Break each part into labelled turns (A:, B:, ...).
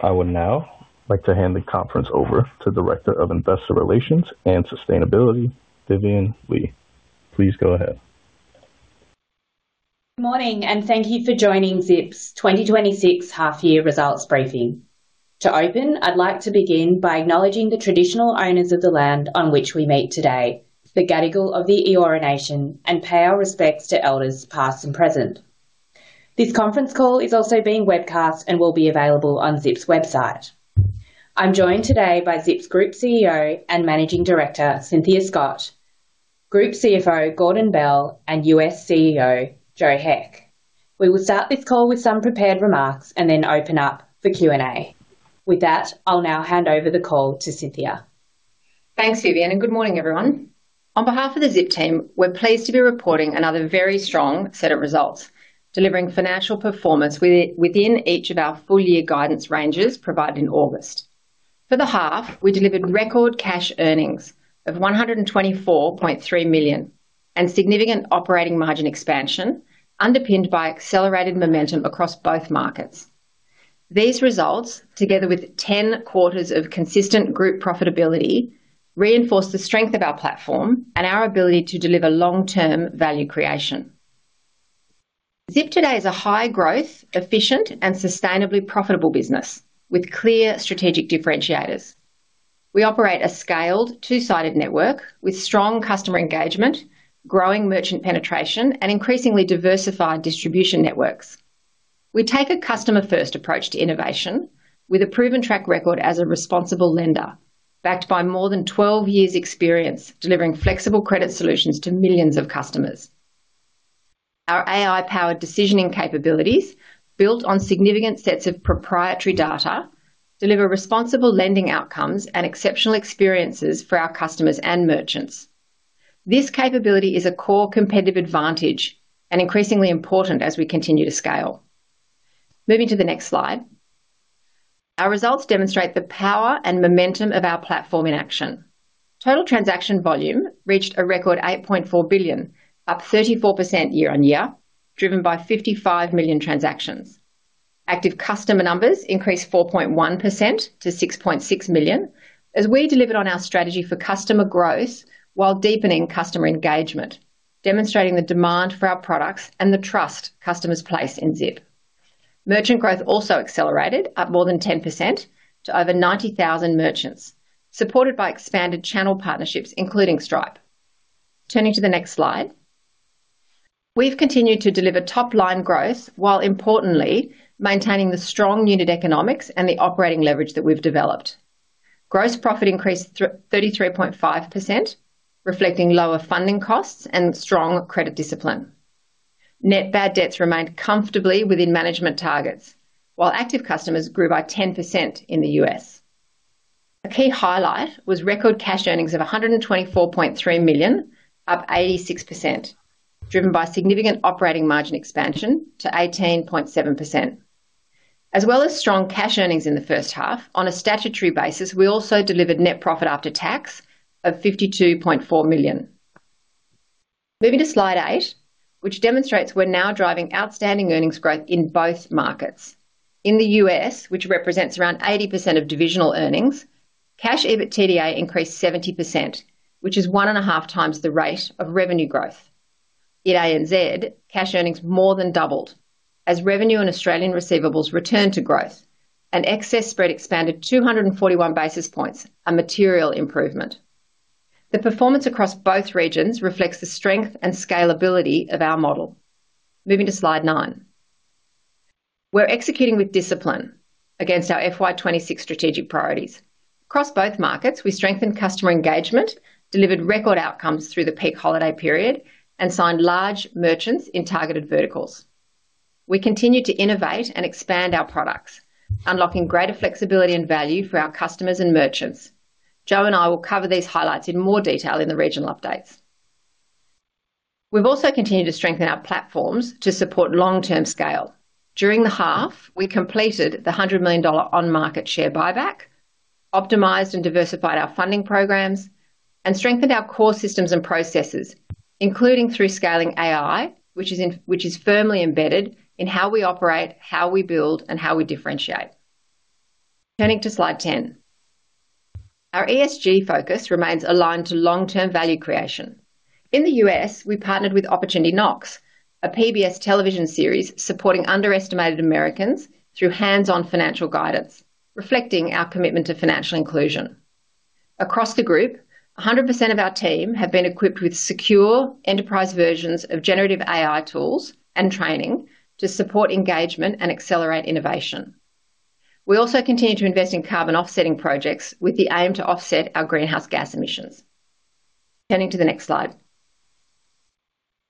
A: I would now like to hand the conference over to Director of Investor Relations and Sustainability, Vivienne Lee. Please go ahead.
B: Good morning, and thank you for joining Zip's 2026 Half Year Results Briefing. To open, I'd like to begin by acknowledging the traditional owners of the land on which we meet today, the Gadigal of the Eora Nation, and pay our respects to elders, past and present. This conference call is also being webcast and will be available on Zip's website. I'm joined today by Zip's Group CEO and Managing Director, Cynthia Scott, Group CFO, Gordon Bell, and U.S. CEO, Joe Heck. We will start this call with some prepared remarks and then open up for Q&A. With that, I'll now hand over the call to Cynthia.
C: Thanks, Vivienne, and good morning, everyone. On behalf of the Zip team, we're pleased to be reporting another very strong set of results, delivering financial performance within each of our full year guidance ranges provided in August. For the half, we delivered record cash earnings of 124.3 million, and significant operating margin expansion, underpinned by accelerated momentum across both markets. These results, together with 10 quarters of consistent group profitability, reinforce the strength of our platform and our ability to deliver long-term value creation. Zip today is a high-growth, efficient, and sustainably profitable business with clear strategic differentiators. We operate a scaled, two-sided network with strong customer engagement, growing merchant penetration, and increasingly diversified distribution networks. We take a customer-first approach to innovation with a proven track record as a responsible lender, backed by more than 12 years experience delivering flexible credit solutions to millions of customers. Our AI-powered decisioning capabilities, built on significant sets of proprietary data, deliver responsible lending outcomes and exceptional experiences for our customers and merchants. This capability is a core competitive advantage and increasingly important as we continue to scale. Moving to the next slide. Our results demonstrate the power and momentum of our platform in action. Total transaction volume reached a record 8.4 billion, up 34% year-on-year, driven by 55 million transactions. Active customer numbers increased 4.1% to 6.6 million, as we delivered on our strategy for customer growth while deepening customer engagement, demonstrating the demand for our products and the trust customers place in Zip. Merchant growth also accelerated at more than 10% to over 90,000 merchants, supported by expanded channel partnerships, including Stripe. Turning to the next slide. We've continued to deliver top-line growth while importantly maintaining the strong unit economics and the operating leverage that we've developed. Gross profit increased 33.5%, reflecting lower funding costs and strong credit discipline. Net bad debts remained comfortably within management targets, while active customers grew by 10% in the U.S. A key highlight was record cash earnings of 124.3 million, up 86%, driven by significant operating margin expansion to 18.7%. As well as strong cash earnings in the first half, on a statutory basis, we also delivered net profit after tax of 52.4 million. Moving to slide eight, which demonstrates we're now driving outstanding earnings growth in both markets. In the U.S., which represents around 80% of divisional earnings, cash EBITDA increased 70%, which is 1.5x the rate of revenue growth. In ANZ, cash earnings more than doubled as revenue and Australian receivables returned to growth and excess spread expanded 241 basis points, a material improvement. The performance across both regions reflects the strength and scalability of our model. Moving to slide nine. We're executing with discipline against our FY 2026 strategic priorities. Across both markets, we strengthened customer engagement, delivered record outcomes through the peak holiday period, and signed large merchants in targeted verticals. We continued to innovate and expand our products, unlocking greater flexibility and value for our customers and merchants. Joe and I will cover these highlights in more detail in the regional updates. We've also continued to strengthen our platforms to support long-term scale. During the half, we completed the 100 million dollar on-market share buyback, optimized and diversified our funding programs, and strengthened our core systems and processes, including through scaling AI, which is firmly embedded in how we operate, how we build, and how we differentiate. Turning to slide 10. Our ESG focus remains aligned to long-term value creation. In the U.S., we partnered with Opportunity Knocks, a PBS television series, supporting underestimated Americans through hands-on financial guidance, reflecting our commitment to financial inclusion. Across the group, 100% of our team have been equipped with secure enterprise versions of generative AI tools and training to support engagement and accelerate innovation. We also continue to invest in carbon offsetting projects with the aim to offset our greenhouse gas emissions. Turning to the next slide.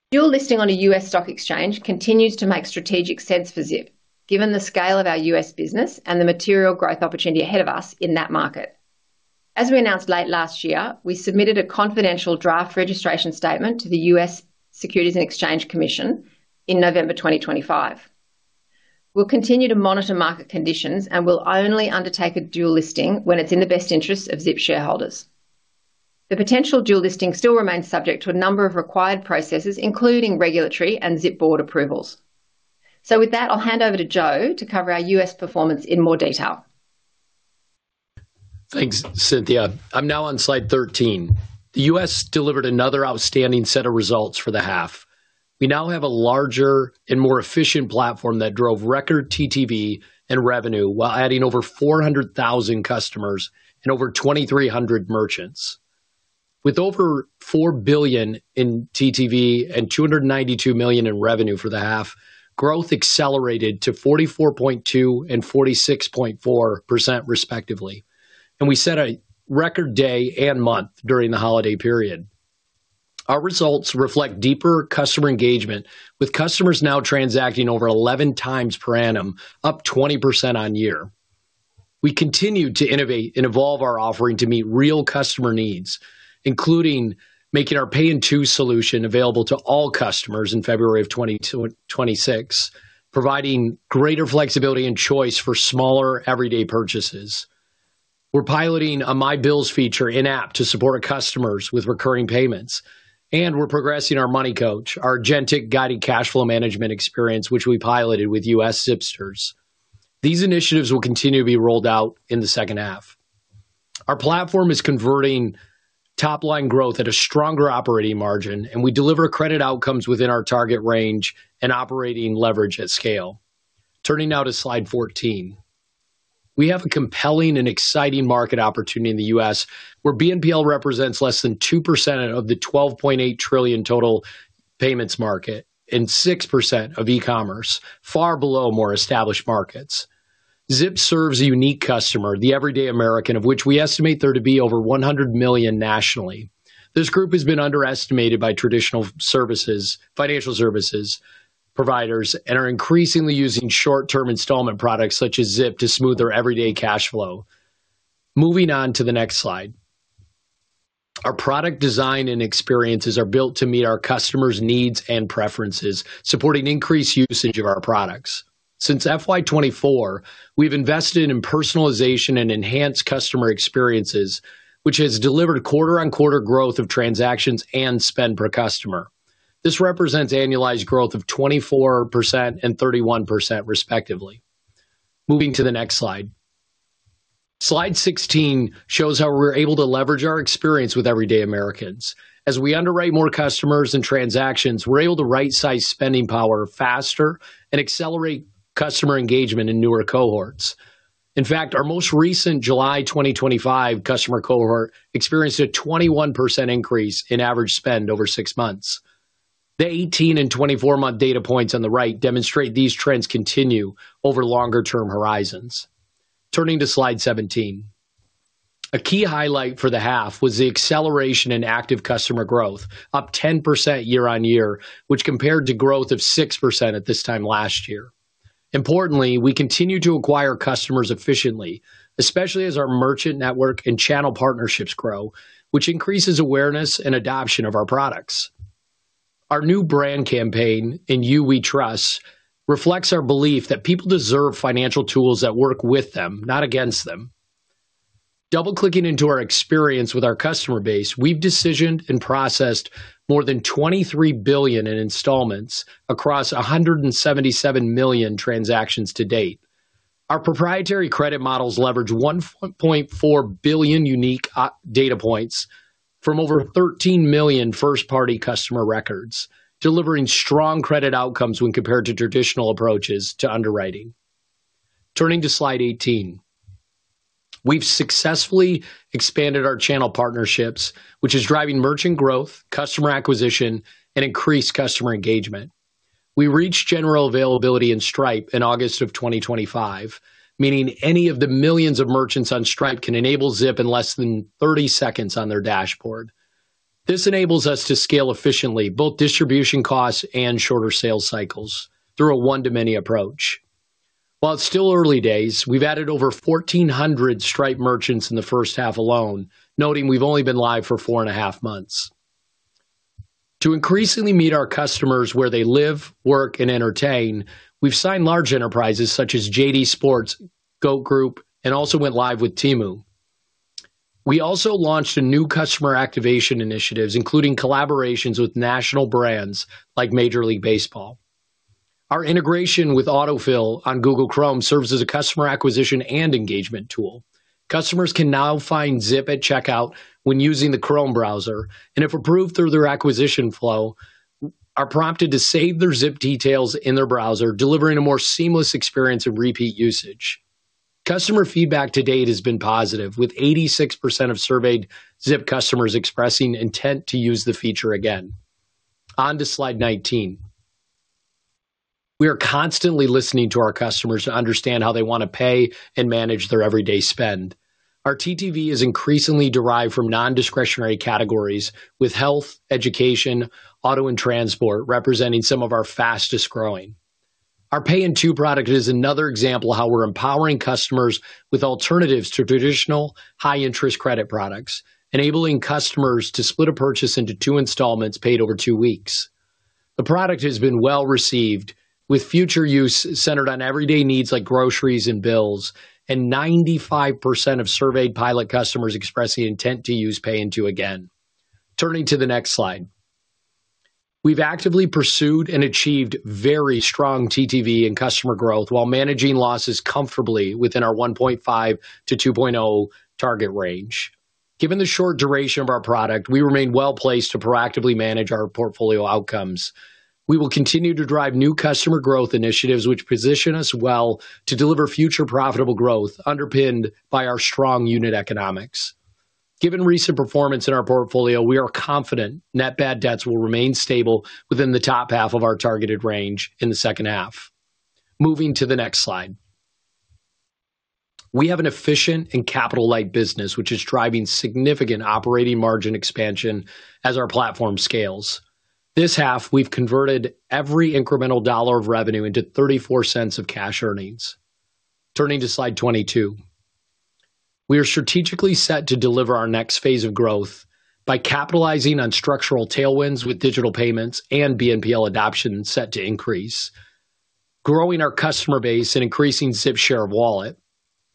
C: Dual listing on a U.S. stock exchange continues to make strategic sense for Zip, given the scale of our U.S. business and the material growth opportunity ahead of us in that market. As we announced late last year, we submitted a confidential draft registration statement to the U.S. Securities and Exchange Commission in November 2025. We'll continue to monitor market conditions, and we'll only undertake a dual listing when it's in the best interest of Zip shareholders. The potential dual listing still remains subject to a number of required processes, including regulatory and Zip board approvals. So with that, I'll hand over to Joe to cover our U.S. performance in more detail.
D: Thanks, Cynthia. I'm now on slide 13. The U.S. delivered another outstanding set of results for the half. We now have a larger and more efficient platform that drove record TTV and revenue, while adding over 400,000 customers and over 2,300 merchants. With over 4 billion in TTV and 292 million in revenue for the half, growth accelerated to 44.2% and 46.4% respectively, and we set a record day and month during the holiday period. Our results reflect deeper customer engagement, with customers now transacting over 11 times per annum, up 20% on year. We continued to innovate and evolve our offering to meet real customer needs, including making our Pay in 2 solution available to all customers in February 2026, providing greater flexibility and choice for smaller, everyday purchases. We're piloting a My Bills feature in-app to support customers with recurring payments, and we're progressing our Money Coach, our agentic-guided cash flow management experience, which we piloted with U.S. Zipsters. These initiatives will continue to be rolled out in the second half. Our platform is converting top-line growth at a stronger operating margin, and we deliver credit outcomes within our target range and operating leverage at scale. Turning now to slide 14. We have a compelling and exciting market opportunity in the U.S., where BNPL represents less than 2% of the 12.8 trillion total payments market and 6% of e-commerce, far below more established markets. Zip serves a unique customer, the everyday American, of which we estimate there to be over 100 million nationally. This group has been underestimated by traditional services, financial services providers, and are increasingly using short-term installment products, such as Zip, to smooth their everyday cash flow. Moving on to the next slide. Our product design and experiences are built to meet our customers' needs and preferences, supporting increased usage of our products. Since FY 2024, we've invested in personalization and enhanced customer experiences, which has delivered a quarter-on-quarter growth of transactions and spend per customer. This represents annualized growth of 24% and 31%, respectively. Moving to the next slide. Slide 16 shows how we're able to leverage our experience with everyday Americans. As we underwrite more customers and transactions, we're able to rightsize spending power faster and accelerate customer engagement in newer cohorts. In fact, our most recent July 2025 customer cohort experienced a 21% increase in average spend over six months. The 18- and 24-month data points on the right demonstrate these trends continue over longer term horizons. Turning to slide 17. A key highlight for the half was the acceleration in active customer growth, up 10% year-on-year, which compared to growth of 6% at this time last year. Importantly, we continue to acquire customers efficiently, especially as our merchant network and channel partnerships grow, which increases awareness and adoption of our products. Our new brand campaign, In You We Trust, reflects our belief that people deserve financial tools that work with them, not against them. Double-clicking into our experience with our customer base, we've decisioned and processed more than 23 billion in installments across 177 million transactions to date. Our proprietary credit models leverage 1.4 billion unique data points from over 13 million first-party customer records, delivering strong credit outcomes when compared to traditional approaches to underwriting. Turning to slide 18. We've successfully expanded our channel partnerships, which is driving merchant growth, customer acquisition, and increased customer engagement. We reached general availability in Stripe in August 2025, meaning any of the millions of merchants on Stripe can enable Zip in less than 30 seconds on their dashboard. This enables us to scale efficiently, both distribution costs and shorter sales cycles, through a one-to-many approach. While it's still early days, we've added over 1,400 Stripe merchants in the first half alone, noting we've only been live for four and a half months. To increasingly meet our customers where they live, work, and entertain, we've signed large enterprises such as JD Sports, Goat Group, and also went live with Temu. We also launched a new customer activation initiatives, including collaborations with national brands like Major League Baseball. Our integration with Autofill on Google Chrome serves as a customer acquisition and engagement tool. Customers can now find Zip at checkout when using the Chrome browser, and if approved through their acquisition flow, are prompted to save their Zip details in their browser, delivering a more seamless experience and repeat usage. Customer feedback to date has been positive, with 86% of surveyed Zip customers expressing intent to use the feature again. On to slide 19. We are constantly listening to our customers to understand how they want to pay and manage their everyday spend. Our TTV is increasingly derived from non-discretionary categories, with health, education, auto, and transport representing some of our fastest-growing. Our Pay in 2 product is another example of how we're empowering customers with alternatives to traditional high-interest credit products, enabling customers to split a purchase into two installments paid over two weeks. The product has been well received, with future use centered on everyday needs like groceries and bills, and 95% of surveyed pilot customers expressing intent to Pay in 2 again. Turning to the next slide. We've actively pursued and achieved very strong TTV and customer growth while managing losses comfortably within our 1.5%-2% target range. Given the short duration of our product, we remain well-placed to proactively manage our portfolio outcomes. We will continue to drive new customer growth initiatives, which position us well to deliver future profitable growth, underpinned by our strong unit economics. Given recent performance in our portfolio, we are confident Net Bad Debts will remain stable within the top half of our targeted range in the second half. Moving to the next slide. We have an efficient and capital-light business, which is driving significant Operating Margin expansion as our platform scales. This half, we've converted every incremental AUD 1 of revenue into 0.34 of cash earnings. Turning to slide 22. We are strategically set to deliver our next phase of growth by capitalizing on structural tailwinds with digital payments and BNPL adoption set to increase, growing our customer base and increasing Zip's share of wallet,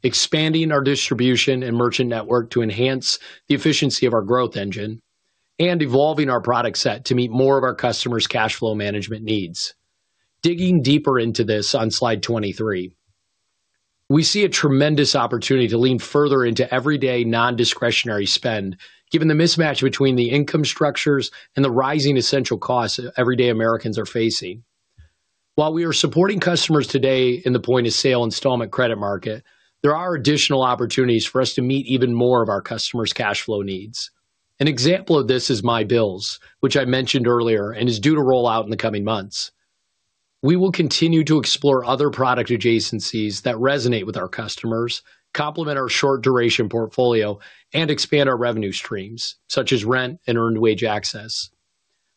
D: expanding our distribution and merchant network to enhance the efficiency of our growth engine, and evolving our product set to meet more of our customers' cash flow management needs. Digging deeper into this on slide 23, we see a tremendous opportunity to lean further into everyday non-discretionary spend, given the mismatch between the income structures and the rising essential costs everyday Americans are facing. While we are supporting customers today in the point-of-sale installment credit market, there are additional opportunities for us to meet even more of our customers' cash flow needs. An example of this is My Bills, which I mentioned earlier and is due to roll out in the coming months. We will continue to explore other product adjacencies that resonate with our customers, complement our short duration portfolio, and expand our revenue streams, such as rent and earned wage access.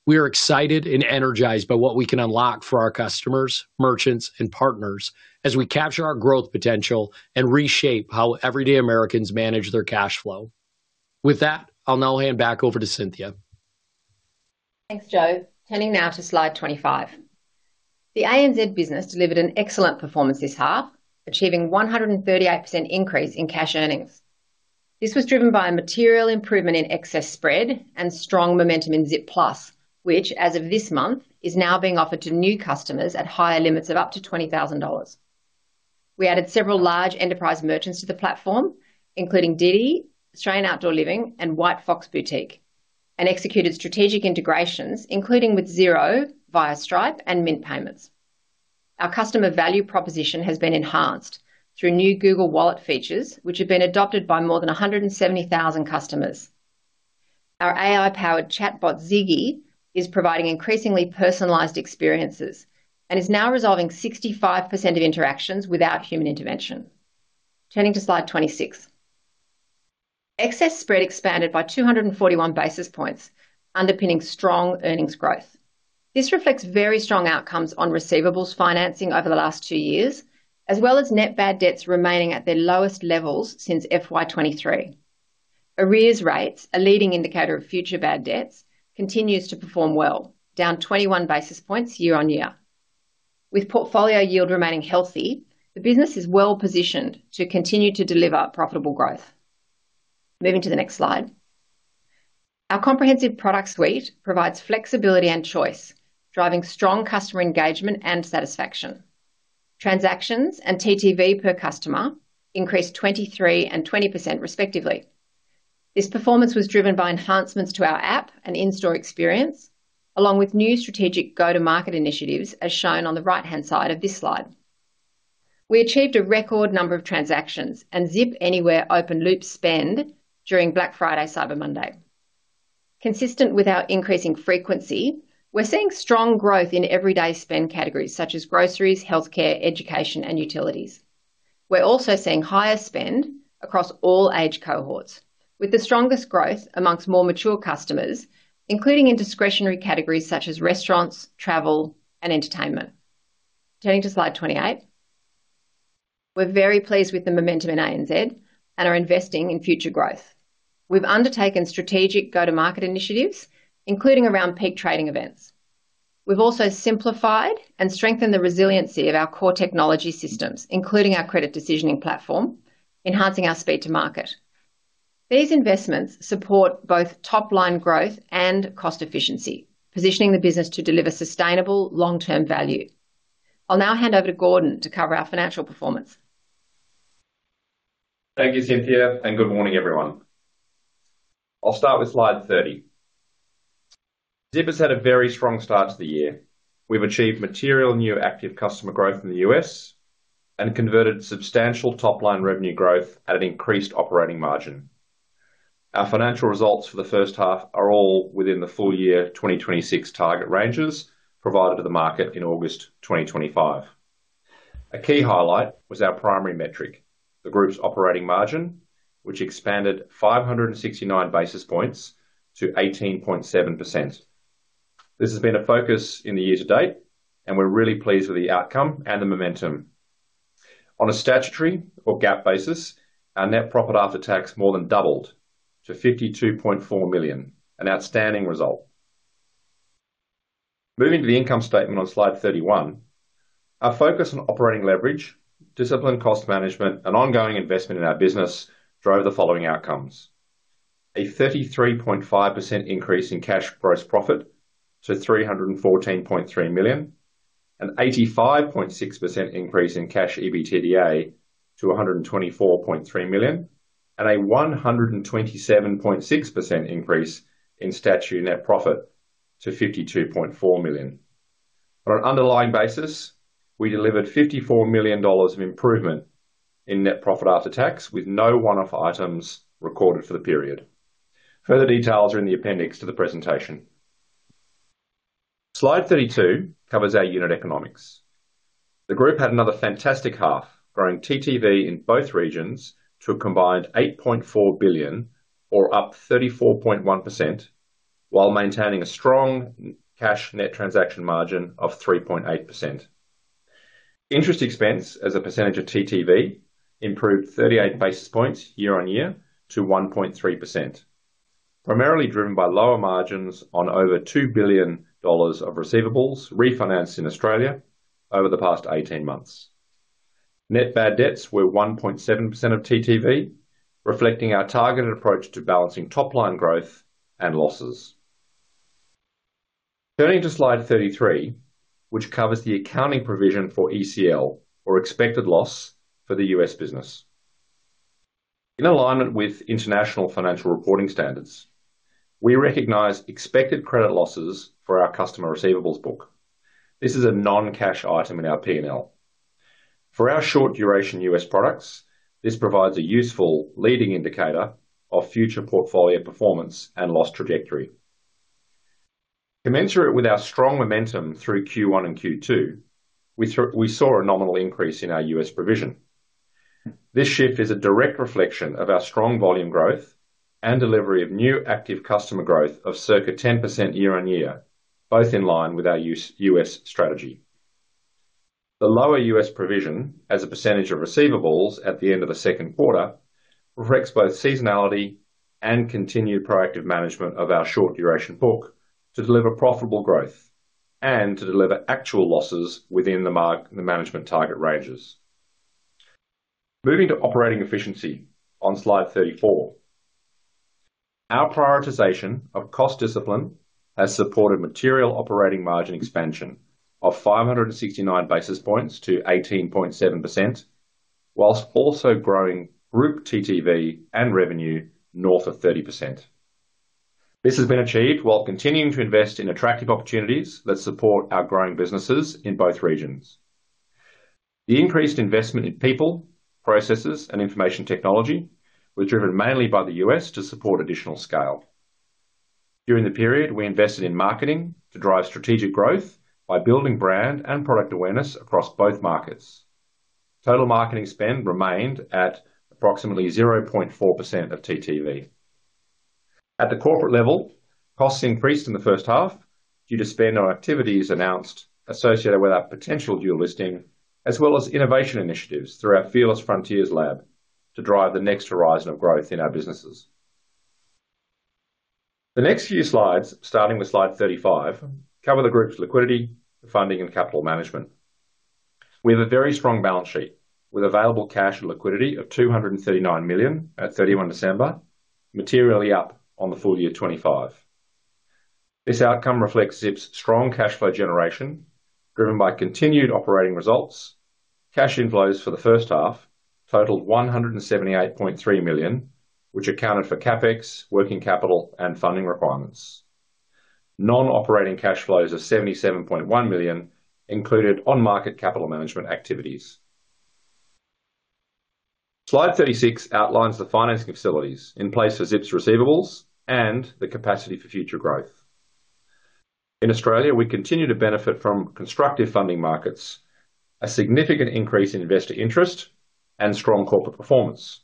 D: We are excited and energized by what we can unlock for our customers, merchants, and partners as we capture our growth potential and reshape how everyday Americans manage their cash flow. With that, I'll now hand back over to Cynthia.
C: Thanks, Joe. Turning now to slide 25. The ANZ business delivered an excellent performance this half, achieving 138% increase in cash earnings. This was driven by a material improvement in excess spread and strong momentum in Zip Plus, which as of this month, is now being offered to new customers at higher limits of up to 20,000 dollars. We added several large enterprise merchants to the platform, including Didi, Australian Outdoor Living, and White Fox Boutique, and executed strategic integrations, including with Xero via Stripe and Mint Payments. Our customer value proposition has been enhanced through new Google Wallet features, which have been adopted by more than 170,000 customers. Our AI-powered chatbot, Ziggy, is providing increasingly personalized experiences and is now resolving 65% of interactions without human intervention. Turning to slide 26. Excess spread expanded by 241 basis points, underpinning strong earnings growth. This reflects very strong outcomes on receivables financing over the last two years, as well as net bad debts remaining at their lowest levels since FY 2023. Arrears rates, a leading indicator of future bad debts, continues to perform well, down 21 basis points year-on-year. With portfolio yield remaining healthy, the business is well positioned to continue to deliver profitable growth. Moving to the next slide. Our comprehensive product suite provides flexibility and choice, driving strong customer engagement and satisfaction. Transactions and TTV per customer increased 23% and 20%, respectively. This performance was driven by enhancements to our app and in-store experience, along with new strategic go-to-market initiatives, as shown on the right-hand side of this slide. We achieved a record number of transactions and Zip Anywhere open loop spend during Black Friday, Cyber Monday. Consistent with our increasing frequency, we're seeing strong growth in everyday spend categories such as groceries, healthcare, education, and utilities. We're also seeing higher spend across all age cohorts, with the strongest growth amongst more mature customers, including in discretionary categories such as restaurants, travel, and entertainment. Turning to slide 28. We're very pleased with the momentum in ANZ and are investing in future growth. We've undertaken strategic go-to-market initiatives, including around peak trading events. We've also simplified and strengthened the resiliency of our core technology systems, including our credit decisioning platform, enhancing our speed to market. These investments support both top-line growth and cost efficiency, positioning the business to deliver sustainable long-term value. I'll now hand over to Gordon to cover our financial performance.
E: Thank you, Cynthia, and good morning, everyone. I'll start with slide 30. Zip has had a very strong start to the year. We've achieved material new active customer growth in the U.S. and converted substantial top-line revenue growth at an increased operating margin. Our financial results for the first half are all within the full year 2026 target ranges provided to the market in August 2025. A key highlight was our primary metric, the group's operating margin, which expanded 569 basis points to 18.7%. This has been a focus in the year-to-date, and we're really pleased with the outcome and the momentum... On a statutory or GAAP basis, our net profit after tax more than doubled to 52.4 million, an outstanding result. Moving to the income statement on slide 31. Our focus on operating leverage, disciplined cost management, and ongoing investment in our business drove the following outcomes: a 33.5% increase in cash gross profit to 314.3 million. An 85.6% increase in cash EBITDA to 124.3 million. A 127.6% increase in statutory net profit to 52.4 million. On an underlying basis, we delivered 54 million dollars of improvement in net profit after tax, with no one-off items recorded for the period. Further details are in the appendix to the presentation. Slide 32 covers our unit economics. The group had another fantastic half, growing TTV in both regions to a combined 8.4 billion or up 34.1%, while maintaining a strong cash net transaction margin of 3.8%. Interest expense as a percentage of TTV, improved 38 basis points year-on-year to 1.3%, primarily driven by lower margins on over 2 billion dollars of receivables refinanced in Australia over the past 18 months. Net bad debts were 1.7% of TTV, reflecting our targeted approach to balancing top line growth and losses. Turning to slide 33, which covers the accounting provision for ECL or expected loss for the U.S. business. In alignment with International Financial Reporting Standards, we recognize expected credit losses for our customer receivables book. This is a non-cash item in our P&L. For our short duration U.S. products, this provides a useful leading indicator of future portfolio performance and loss trajectory. Commensurate with our strong momentum through Q1 and Q2, we saw a nominal increase in our U.S. provision. This shift is a direct reflection of our strong volume growth and delivery of new active customer growth of circa 10% year-on-year, both in line with our U.S., U.S. strategy. The lower U.S. provision as a percentage of receivables at the end of the second quarter, reflects both seasonality and continued proactive management of our short duration book to deliver profitable growth and to deliver actual losses within the management target ranges. Moving to operating efficiency on Slide 34. Our prioritization of cost discipline has supported material operating margin expansion of 569 basis points to 18.7%, whilst also growing group TTV and revenue north of 30%. This has been achieved while continuing to invest in attractive opportunities that support our growing businesses in both regions. The increased investment in people, processes and information technology were driven mainly by the U.S. to support additional scale. During the period, we invested in marketing to drive strategic growth by building brand and product awareness across both markets. Total marketing spend remained at approximately 0.4% of TTV. At the corporate level, costs increased in the first half due to spend on activities announced associated with our potential dual listing, as well as innovation initiatives through our Fearless Frontiers Lab to drive the next horizon of growth in our businesses. The next few slides, starting with slide 35, cover the group's liquidity, funding, and capital management. We have a very strong balance sheet with available cash and liquidity of 239 million at 31 December, materially up on the full year 2025. This outcome reflects Zip's strong cash flow generation, driven by continued operating results. Cash inflows for the first half totaled 178.3 million, which accounted for CapEx, working capital, and funding requirements. Non-operating cash flows of 77.1 million included on-market capital management activities. Slide 36 outlines the financing facilities in place for Zip's receivables and the capacity for future growth. In Australia, we continue to benefit from constructive funding markets, a significant increase in investor interest, and strong corporate performance.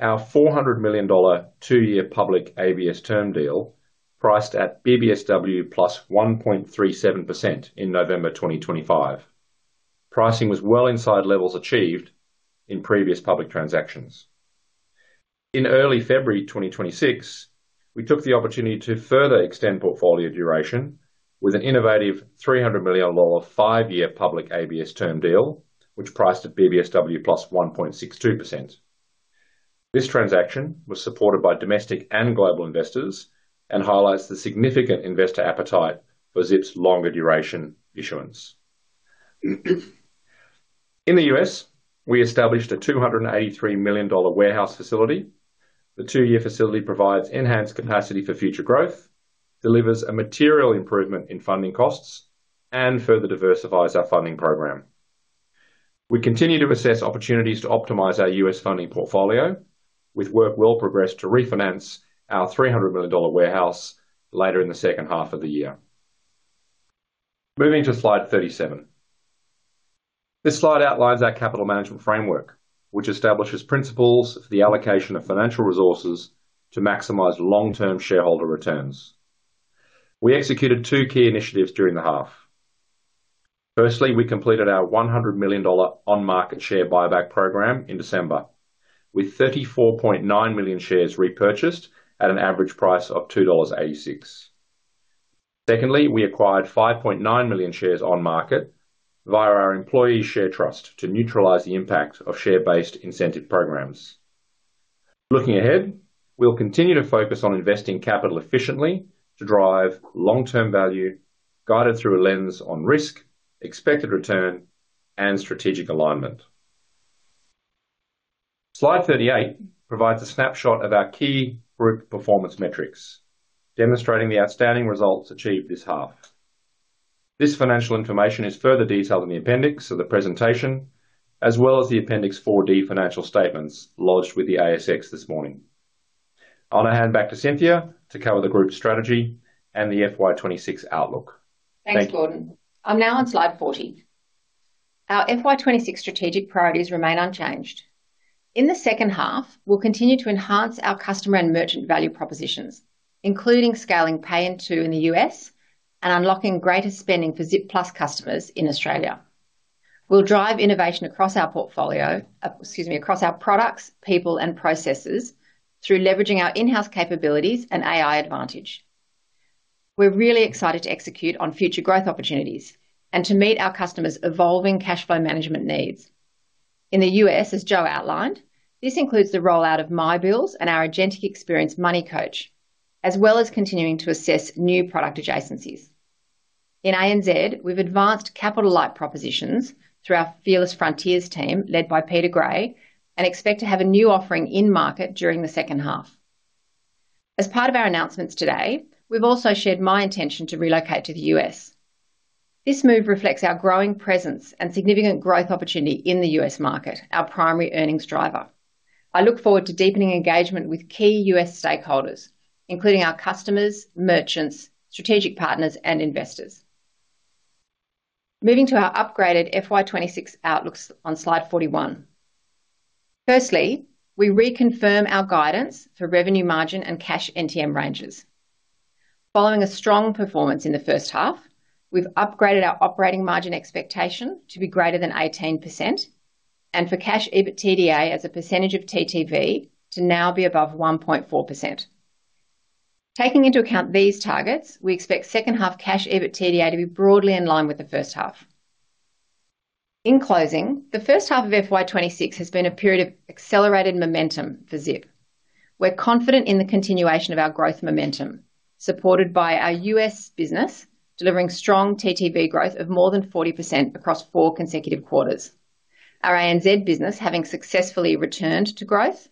E: Our 400 million dollar two-year public ABS term deal, priced at BBSW + 1.37% in November 2025. Pricing was well inside levels achieved in previous public transactions. In early February 2026, we took the opportunity to further extend portfolio duration with an innovative 300 million dollar five-year public ABS term deal, which priced at BBSW + 1.62%. This transaction was supported by domestic and global investors and highlights the significant investor appetite for Zip's longer duration issuance. In the U.S., we established a $283 million warehouse facility. The two-year facility provides enhanced capacity for future growth, delivers a material improvement in funding costs, and further diversifies our funding program. We continue to assess opportunities to optimize our U.S. funding portfolio, with work well progressed to refinance our $300 million warehouse later in the second half of the year. Moving to slide 37. This slide outlines our capital management framework, which establishes principles for the allocation of financial resources to maximize long-term shareholder returns. We executed two key initiatives during the half. Firstly, we completed our 100 million dollar on-market share buyback program in December, with 34.9 million shares repurchased at an average price of 2.86 dollars. Secondly, we acquired 5.9 million shares on market via our employee share trust to neutralize the impact of share-based incentive programs. Looking ahead, we'll continue to focus on investing capital efficiently to drive long-term value, guided through a lens on risk, expected return, and strategic alignment. Slide 38 provides a snapshot of our key group performance metrics, demonstrating the outstanding results achieved this half. This financial information is further detailed in the appendix of the presentation, as well as the Appendix 4D financial statements lodged with the ASX this morning. I'm going to hand back to Cynthia to cover the group strategy and the FY 2026 outlook. Thank you.
C: Thanks, Gordon. I'm now on slide 40. Our FY 2026 strategic priorities remain unchanged. In the second half, we'll continue to enhance our customer and merchant value propositions, including scaling Pay in 2 in the U.S. and unlocking greater spending for Zip Plus customers in Australia. We'll drive innovation across our portfolio, excuse me, across our products, people, and processes through leveraging our in-house capabilities and AI advantage. We're really excited to execute on future growth opportunities and to meet our customers' evolving cash flow management needs. In the U.S., as Joe outlined, this includes the rollout of My Bills and our agentic experience Money Coach, as well as continuing to assess new product adjacencies. In ANZ, we've advanced capital-light propositions through our Fearless Frontiers team, led by Peter Gray, and expect to have a new offering in market during the second half. As part of our announcements today, we've also shared my intention to relocate to the U.S. This move reflects our growing presence and significant growth opportunity in the U.S. market, our primary earnings driver. I look forward to deepening engagement with key U.S. stakeholders, including our customers, merchants, strategic partners, and investors. Moving to our upgraded FY 2026 outlooks on slide 41. Firstly, we reconfirm our guidance for revenue margin and cash NTM ranges. Following a strong performance in the first half, we've upgraded our operating margin expectation to be greater than 18% and for cash EBITDA as a percentage of TTV to now be above 1.4%. Taking into account these targets, we expect second half cash EBITDA to be broadly in line with the first half. In closing, the first half of FY 2026 has been a period of accelerated momentum for Zip. We're confident in the continuation of our growth momentum, supported by our U.S. business, delivering strong TTV growth of more than 40% across 4 consecutive quarters. Our ANZ business, having successfully returned to growth,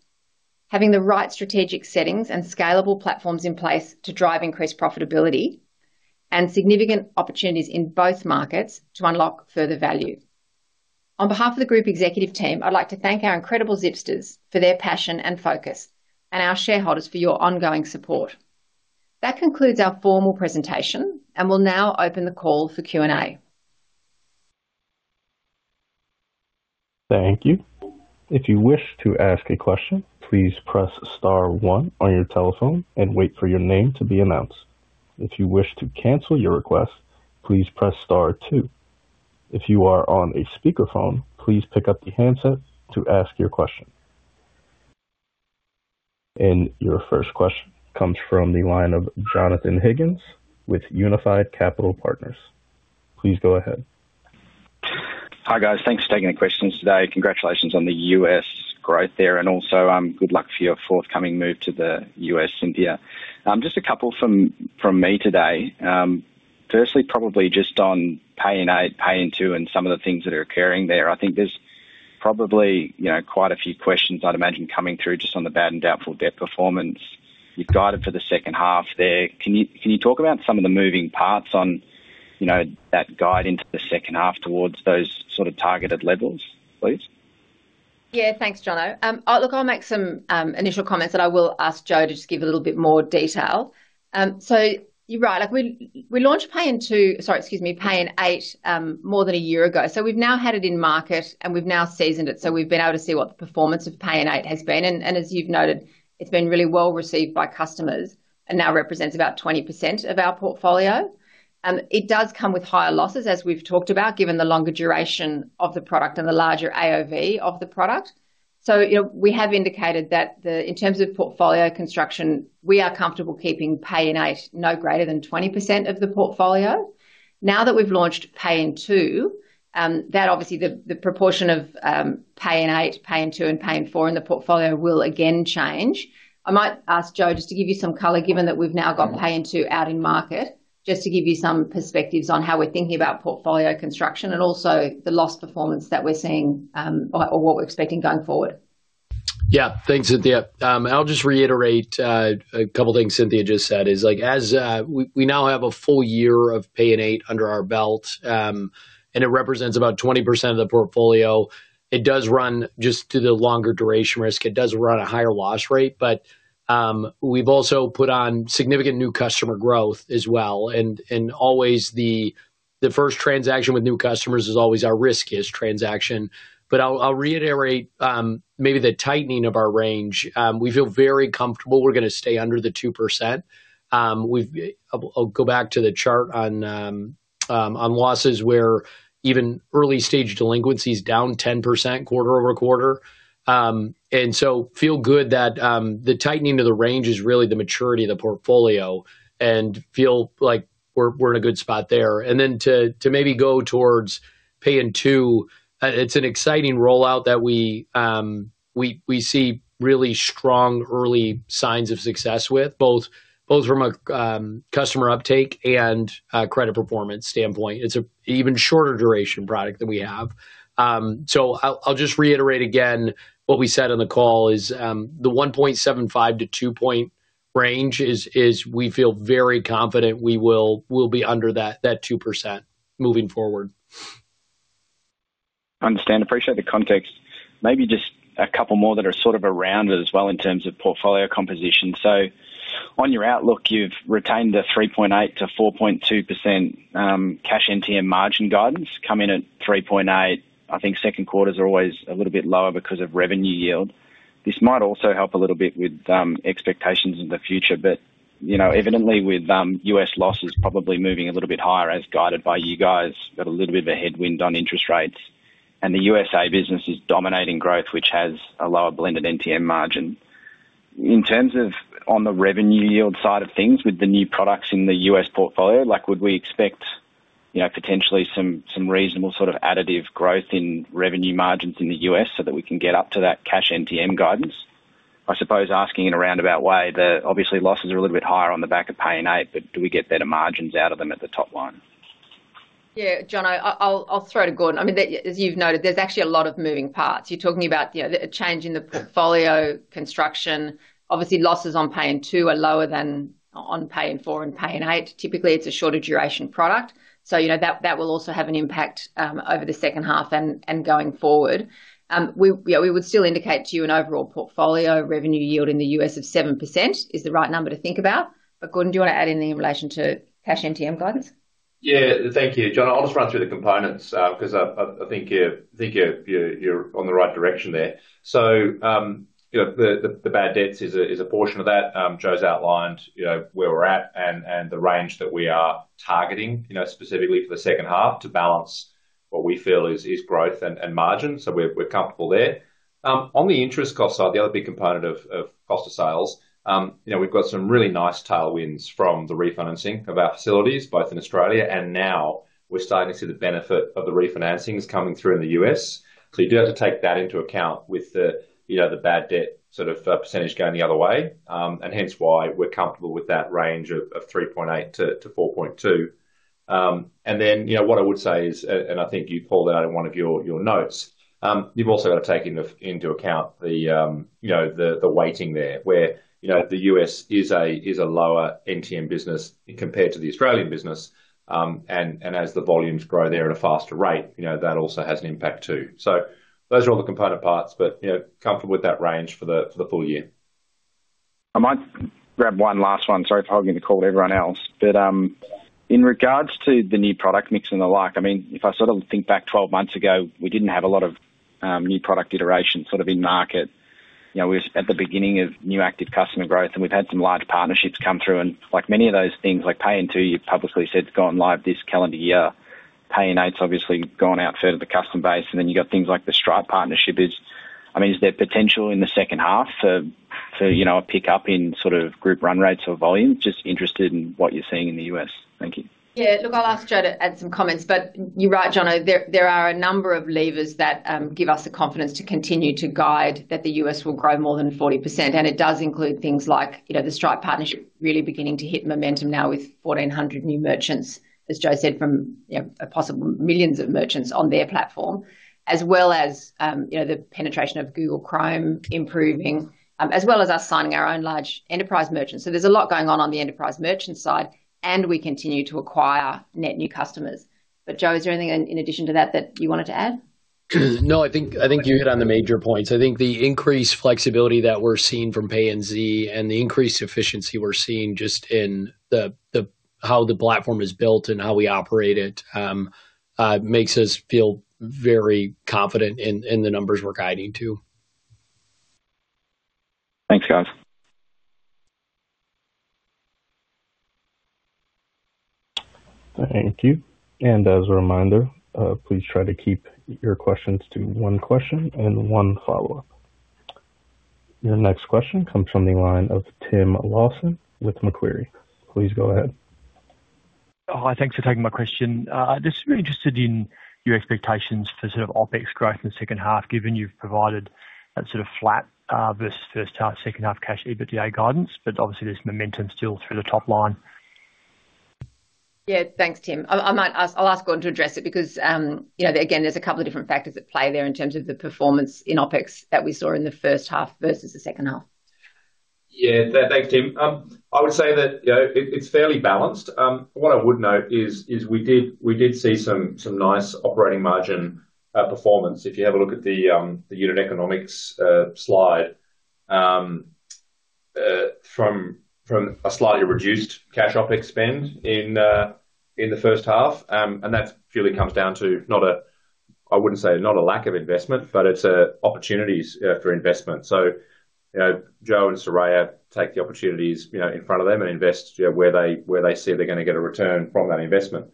C: having the right strategic settings and scalable platforms in place to drive increased profitability, and significant opportunities in both markets to unlock further value. On behalf of the group executive team, I'd like to thank our incredible Zipsters for their passion and focus, and our shareholders for your ongoing support. That concludes our formal presentation, and we'll now open the call for Q&A.
A: Thank you. If you wish to ask a question, please press star one on your telephone and wait for your name to be announced. If you wish to cancel your request, please press star two. If you are on a speakerphone, please pick up the handset to ask your question. Your first question comes from the line of Jonathon Higgins with Unified Capital Partners. Please go ahead.
F: Hi, guys. Thanks for taking the questions today. Congratulations on the U.S. growth there and also, good luck for your forthcoming move to the U.S., Cynthia. Just a couple from, from me today. Firstly, probably just on Pay in 8, Pay in 2, and some of the things that are occurring there. I think there's probably, you know, quite a few questions I'd imagine coming through just on the bad and doubtful debt performance. You've guided for the second half there. Can you, can you talk about some of the moving parts on, you know, that guide into the second half towards those sort of targeted levels, please?
C: Yeah, thanks, Johno. Oh, look, I'll make some initial comments, then I will ask Joe to just give a little bit more detail. So you're right. Like, we, we launched Pay in 2, sorry, excuse me, Pay in 8, more than a year ago. So we've now had it in market, and we've now seasoned it, so we've been able to see what the performance of Pay in 8 has been. And, and as you've noted, it's been really well received by customers and now represents about 20% of our portfolio. It does come with higher losses, as we've talked about, given the longer duration of the product and the larger AOV of the product. So, you know, we have indicated that the, in terms of portfolio construction, we are comfortable keeping Pay in 8 no greater than 20% of the portfolio. Now that we've launched Pay in 2, that obviously the proportion of Pay in 8, Pay in 2, and Pay in 4 in the portfolio will again change. I might ask Joe just to give you some color, given that we've now got Pay in 2 out in market, just to give you some perspectives on how we're thinking about portfolio construction and also the loss performance that we're seeing, or what we're expecting going forward.
D: Yeah. Thanks, Cynthia. I'll just reiterate a couple of things Cynthia just said is, like, as we now have a full year of Pay in 8 under our belt, and it represents about 20% of the portfolio. It does run just to the longer duration risk. It does run a higher loss rate, but we've also put on significant new customer growth as well, and always the first transaction with new customers is always our riskiest transaction. But I'll reiterate maybe the tightening of our range. We feel very comfortable we're going to stay under the 2%. We've. I'll go back to the chart on losses where even early-stage delinquency is down 10% quarter-over-quarter. And so feel good that, the tightening of the range is really the maturity of the portfolio and feel like we're, we're in a good spot there. And then to, to maybe go towards Pay in 2, it's an exciting rollout that we, we, we see really strong early signs of success with, both, both from a, customer uptake and a credit performance standpoint. It's an even shorter duration product than we have. So I'll, I'll just reiterate again, what we said on the call is, the 1.75%-2% range is, is we feel very confident we will, we'll be under that, that 2% moving forward.
F: Understand. Appreciate the context. Maybe just a couple more that are sort of around it as well in terms of portfolio composition. On your outlook, you've retained the 3.8%-4.2% cash NTM margin guidance, come in at 3.8%. I think second quarters are always a little bit lower because of revenue yield. This might also help a little bit with expectations in the future, but, you know, evidently with U.S. losses probably moving a little bit higher as guided by you guys, got a little bit of a headwind on interest rates, and the U.S. business is dominating growth, which has a lower blended NTM margin. In terms of on the revenue yield side of things, with the new products in the U.S. portfolio, like, would we expect, you know, potentially some, some reasonable sort of additive growth in revenue margins in the U.S. so that we can get up to that cash NTM guidance? I suppose asking in a roundabout way, obviously, losses are a little bit higher on the back of Pay in 8, but do we get better margins out of them at the top line?
C: Yeah, Johno, I'll throw to Gordon. I mean, as you've noted, there's actually a lot of moving parts. You're talking about, you know, a change in the portfolio construction. Obviously, losses on Pay in 2 are lower than on Pay in 4 and Pay in 8. Typically, it's a shorter duration product, so, you know, that will also have an impact over the second half and going forward. Yeah, we would still indicate to you an overall portfolio revenue yield in the U.S. of 7% is the right number to think about. But, Gordon, do you want to add anything in relation to cash NTM guidance?
E: Yeah. Thank you, Johno. I'll just run through the components, because I think you're on the right direction there. You know, the bad debts is a portion of that. Joe's outlined, you know, where we're at and the range that we are targeting, you know, specifically for the second half, to balance what we feel is growth and margin. We're comfortable there. On the interest cost side, the other big component of cost of sales, you know, we've got some really nice tailwinds from the refinancing of our facilities, both in Australia and now we're starting to see the benefit of the refinancings coming through in the U.S.. So you do have to take that into account with the, you know, the bad debt sort of, percentage going the other way, and hence why we're comfortable with that range of 3.8%-4.2%. And then, you know, what I would say is, and I think you pulled out in one of your, your notes, you've also got to take into, into account the, you know, the, the weighting there, where, you know, the U.S. is a, is a lower NTM business compared to the Australian business. And, and as the volumes grow there at a faster rate, you know, that also has an impact, too. So those are all the component parts, but, you know, comfortable with that range for the, for the full year.
F: I might grab one last one. Sorry for hogging the call, everyone else. In regards to the new product mix and the like, I mean, if I sort of think back 12 months ago, we didn't have a lot of new product iterations sort of in market. You know, we're at the beginning of new active customer growth, and we've had some large partnerships come through, and like many of those things, like Pay in 2, you've publicly said, it's gone live this calendar year. Pay in 8's obviously gone out to the customer base, and then you've got things like the Stripe partnership is... I mean, is there potential in the second half for, for, you know, a pickup in sort of group run rates or volume? Just interested in what you're seeing in the U.S. Thank you.
C: Yeah. Look, I'll ask Joe to add some comments, but you're right, Johno, there are a number of levers that give us the confidence to continue to guide that the U.S. will grow more than 40%, and it does include things like, you know, the Stripe partnership really beginning to hit momentum now with 1,400 new merchants, as Joe said, from, you know, a possible millions of merchants on their platform. As well as, you know, the penetration of Google Chrome improving, as well as us signing our own large enterprise merchants. So there's a lot going on on the enterprise merchant side, and we continue to acquire net new customers. But, Joe, is there anything in addition to that, that you wanted to add?
D: No, I think you hit on the major points. I think the increased flexibility that we're seeing from Pay in 2 and the increased efficiency we're seeing just in how the platform is built and how we operate it makes us feel very confident in the numbers we're guiding to.
F: Thanks, guys.
A: Thank you. And as a reminder, please try to keep your questions to one question and one follow-up. Your next question comes from the line of Tim Lawson with Macquarie. Please go ahead.
G: Hi, thanks for taking my question. Just really interested in your expectations for sort of OpEx growth in the second half, given you've provided that sort of flat, versus first half, second half Cash EBITDA guidance, but obviously there's momentum still through the top line.
C: Yeah. Thanks, Tim. I'll ask Gordon to address it because, you know, again, there's a couple of different factors at play there in terms of the performance in OpEx that we saw in the first half versus the second half.
E: Yeah. Thanks, Tim. I would say that, you know, it's fairly balanced. What I would note is, we did see some nice operating margin performance. If you have a look at the unit economics slide, from a slightly reduced cash OpEx spend in the first half. That really comes down to not a, I wouldn't say not a lack of investment, but it's opportunities for investment. You know, Joe and Soraya take the opportunities, you know, in front of them and invest, you know, where they see they're gonna get a return from that investment.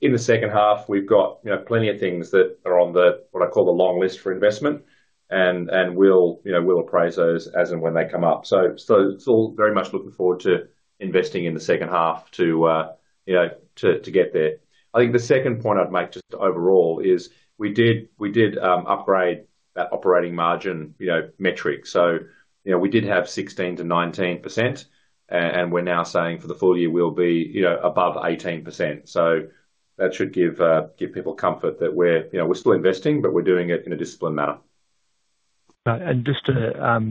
E: In the second half, we've got, you know, plenty of things that are on the, what I call the long list for investment, and we'll, you know, we'll appraise those as and when they come up. So it's all very much looking forward to investing in the second half to, you know, to get there. I think the second point I'd make, just overall, is we did upgrade that operating margin, you know, metric. So, you know, we did have 16%-19%, and we're now saying for the full year we'll be, you know, above 18%. So that should give people comfort that we're, you know, we're still investing, but we're doing it in a disciplined manner.
G: And just a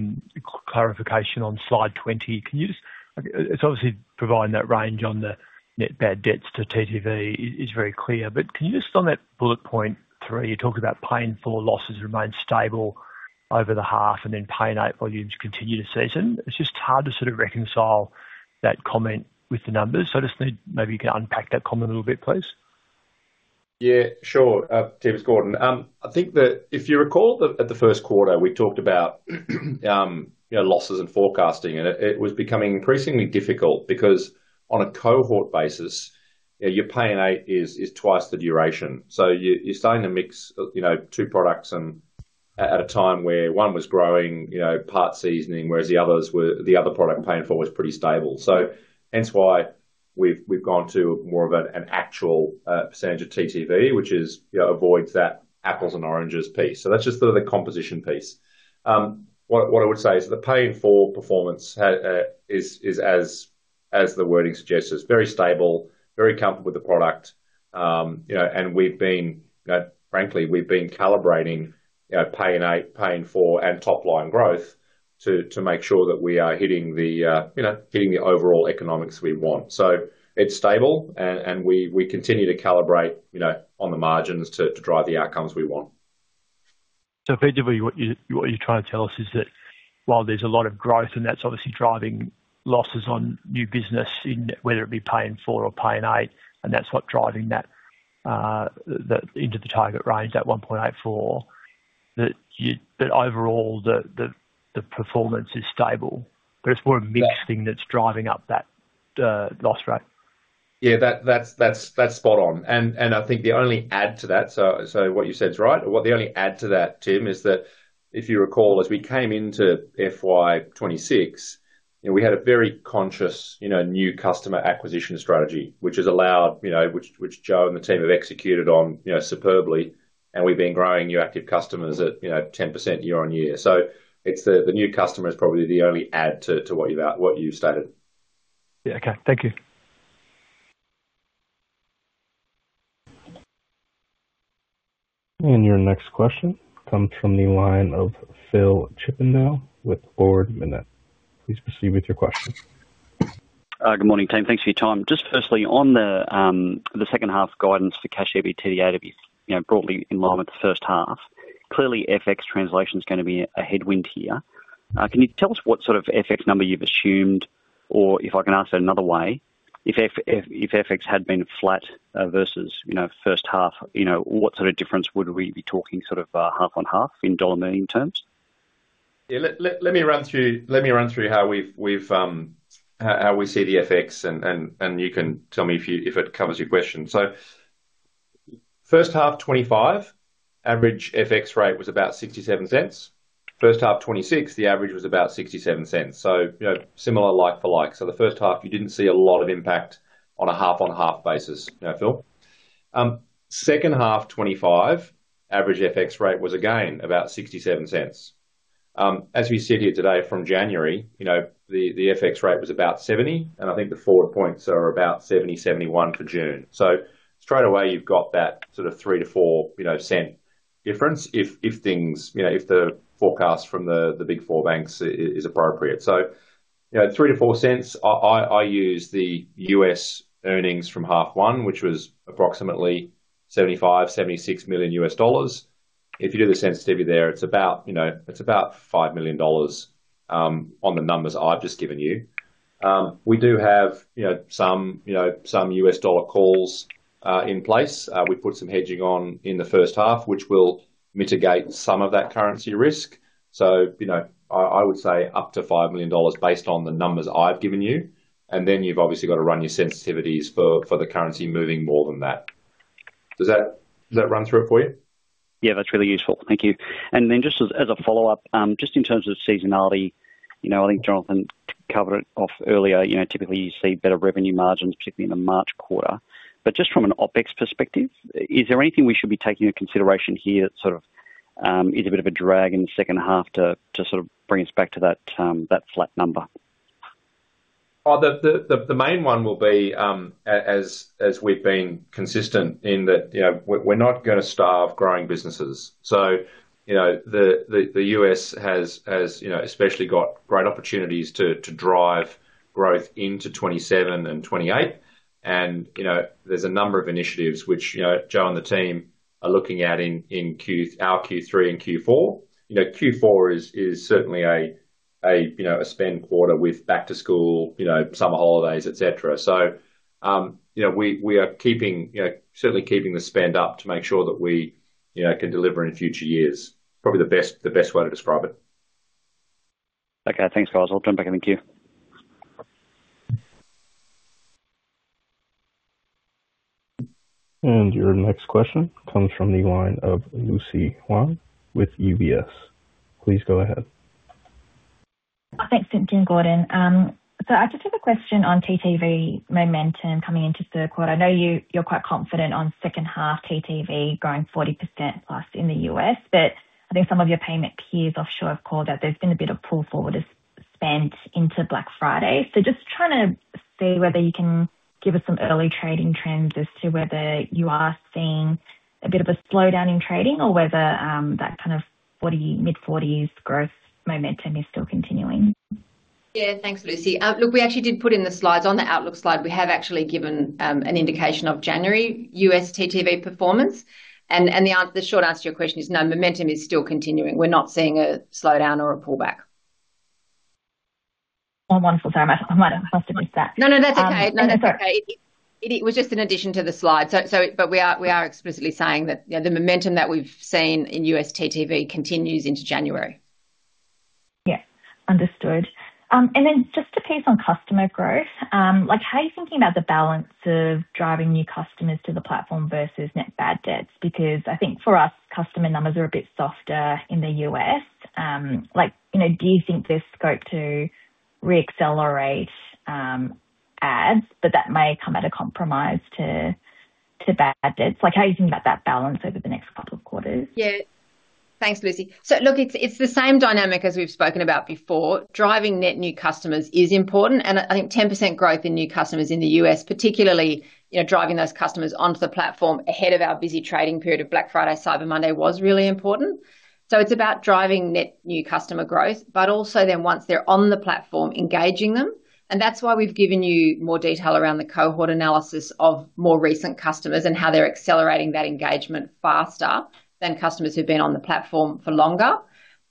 G: clarification on slide 20. Can you just... It's obviously providing that range on the net bad debts to TTV, which is very clear. But can you just on that bullet point 3, you talk about Pay in Full losses remain stable over the half, and then Pay in 8 volumes continue to season. It's just hard to sort of reconcile that comment with the numbers. So I just need, maybe you can unpack that comment a little bit, please.
E: Yeah, sure. Tim, it's Gordon. I think that if you recall at the first quarter, we talked about, you know, losses and forecasting, and it was becoming increasingly difficult because on a cohort basis, your Pay in 8 is twice the duration. So you're starting to mix, you know, two products and at a time where one was growing, you know, part seasoning, whereas the other product, Pay in Full, was pretty stable. So hence why we've gone to more of an actual percentage of TTV, which, you know, avoids that apples and oranges piece. So that's just the composition piece. What I would say is the Pay in Full performance is, as the wording suggests, it's very stable, very comfortable with the product. You know, and we've been, frankly, we've been calibrating, you know, Pay in 8, Pay in Full and top-line growth to make sure that we are hitting the, you know, hitting the overall economics we want. It's stable, and we continue to calibrate, you know, on the margins to drive the outcomes we want.
G: So effectively, what you, what you're trying to tell us is that while there's a lot of growth, and that's obviously driving losses on new business, in whether it be Pay in Full or Pay in 8, and that's what's driving that into the target range, that 1.84, that you... But overall, the performance is stable, but it's more a mix-
E: Yeah
G: something that's driving up that loss rate.
E: Yeah, that's spot on. I think the only add to that, what you said is right. The only add to that, Tim, is that if you recall, as we came into FY 2026, you know, we had a very conscious, you know, new customer acquisition strategy, which has allowed, you know, which Joe and the team have executed on superbly, and we've been growing new active customers at 10% year-on-year. It's the new customer that is probably the only add to what you've stated.
G: Yeah. Okay. Thank you.
A: Your next question comes from the line of Phil Chippindale with Ord Minnett. Please proceed with your question.
H: Good morning, team. Thanks for your time. Just firstly, on the second half guidance for Cash EBITDA to be, you know, broadly in line with the first half. Clearly, FX translation is gonna be a headwind here. Can you tell us what sort of FX number you've assumed? Or if I can ask that another way, if FX had been flat versus, you know, first half, you know, what sort of difference would we be talking, sort of, half on half in dollar million terms?
E: Yeah. Let me run through, let me run through how we've, we've, how we see the FX and you can tell me if it covers your question. First half 2025, average FX rate was about 0.67. First half 2026, the average was about 0.67. You know, similar like for like. The first half, you didn't see a lot of impact on a half-on-half basis, Phil. Second half 2025, average FX rate was again about 0.67. As we sit here today from January, you know, the FX rate was about 0.70, and I think the forward points are about 0.70-0.71 for June. So straight away, you've got that sort of $0.03-$0.04 difference if things, you know, if the forecast from the Big Four banks is appropriate. So, you know, $0.03-$0.04, I use the U.S. earnings from half one, which was approximately $75 million-$76 million. If you do the sensitivity there, it's about, you know, it's about $5 million on the numbers I've just given you. We do have, you know, some U.S. dollar calls in place. We put some hedging on in the first half, which will mitigate some of that currency risk. So, you know, I would say up to $5 million based on the numbers I've given you, and then you've obviously got to run your sensitivities for the currency moving more than that. Does that, does that run through it for you?
H: Yeah, that's really useful. Thank you. And then just as a follow-up, just in terms of seasonality, you know, I think Jonathon covered it off earlier, you know, typically you see better revenue margins, particularly in the March quarter. But just from an OpEx perspective, is there anything we should be taking into consideration here that sort of is a bit of a drag in the second half to sort of bring us back to that flat number?
E: Well, the main one will be, as we've been consistent in that, you know, we're not gonna starve growing businesses. You know, the U.S. has, you know, especially got great opportunities to drive growth into 2027 and 2028, and, you know, there's a number of initiatives which, you know, Joe and the team are looking at in Q3 and Q4. You know, Q4 is certainly a, you know, a spend quarter with back to school, summer holidays, et cetera. You know, we are keeping, you know, certainly keeping the spend up to make sure that we, you know, can deliver in future years. Probably the best way to describe it.
H: Okay, thanks, guys. I'll jump back in the queue.
A: Your next question comes from the line of Lucy Huang with UBS. Please go ahead.
I: Thanks, Gordon. So I just have a question on TTV momentum coming into third quarter. I know you're quite confident on second half TTV growing 40%+ in the U.S., but I think some of your payment peers offshore have called out there's been a bit of pull forward of spend into Black Friday. So just trying to see whether you can give us some early trading trends as to whether you are seeing a bit of a slowdown in trading or whether that kind of 40, mid-40s growth momentum is still continuing.
C: Yeah, thanks, Lucy. Look, we actually did put in the slides. On the outlook slide, we have actually given an indication of January U.S. TTV performance. And the short answer to your question is no, momentum is still continuing. We're not seeing a slowdown or a pullback.
I: Oh, wonderful. Sorry, I might, I must have missed that.
C: No, no, that's okay.
I: Um,
C: No, that's okay. It was just an addition to the slide. So, but we are explicitly saying that, you know, the momentum that we've seen in U.S. TTV continues into January.
I: Yeah, understood. And then just to pace on customer growth, like, how are you thinking about the balance of driving new customers to the platform versus net bad debts? Because I think for us, customer numbers are a bit softer in the U.S. Like, you know, do you think there's scope to reaccelerate ads, but that may come at a compromise to bad debts? Like, how do you think about that balance over the next couple of quarters?
C: Yeah. Thanks, Lucy. So look, it's the same dynamic as we've spoken about before. Driving net new customers is important, and I think 10% growth in new customers in the U.S., particularly, you know, driving those customers onto the platform ahead of our busy trading period of Black Friday, Cyber Monday, was really important. So it's about driving net new customer growth, but also then once they're on the platform, engaging them. And that's why we've given you more detail around the cohort analysis of more recent customers and how they're accelerating that engagement faster than customers who've been on the platform for longer.